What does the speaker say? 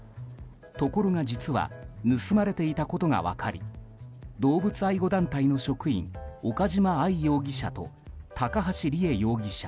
ところが実は盗まれていたことが分かり動物愛護団体の職員岡島愛容疑者と高橋里衣容疑者